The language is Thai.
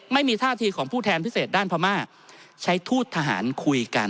ไม่มีท่าทีของผู้แทนพิเศษด้านพม่าใช้ทูตทหารคุยกัน